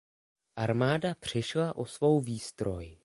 Armáda přišla o svou výstroj.